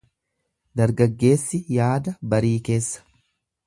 Dargaggeessi yaada barii keessa.